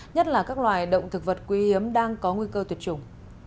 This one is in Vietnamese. nhất là các loài động thực vật quý hiếm đang có nguy cơ tuyệt chủng